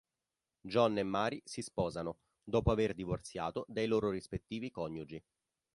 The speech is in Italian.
John e Mary si sposano dopo aver divorziato dai loro rispettivi coniugi.